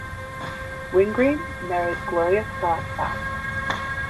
Wingreen married Gloria Scott Backe.